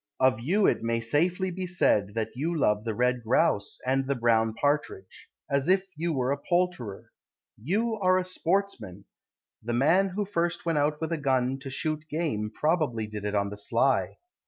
Of you it may safely be said That you love the red grouse And the brown partridge. As if you were a poulterer. You are a sportsman. The man who first went out with a gun To shoot game Probably did it on the sly.